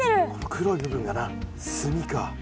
黒い部分がな炭か。